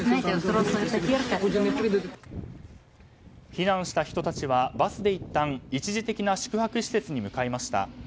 避難した人たちはバスでいったん一時的な宿泊施設に向かいました。